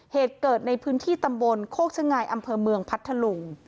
เหตุเกิดในพื้นที่ตำบลโคกชะงายอำเภอเมืองพัทธลุง